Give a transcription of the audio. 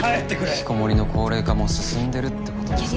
引きこもりの高齢化も進んでるってことですか。